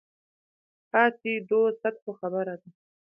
پاتې دوو سطحو خبره ده.